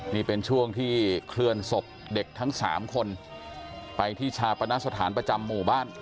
นี่เป็นช่วงที่เคลื่อนศพเด็กทั้ง๓คนไปที่ชาปนสถานประจำหมู่บ้าน